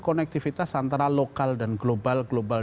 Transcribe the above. konektivitas antara lokal dan global global